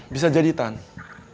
bisa jadi tante